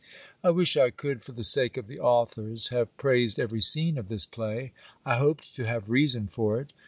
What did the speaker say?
I wish I could, for the sake of the authors, have praised every scene of this play: I hoped to have reason for it.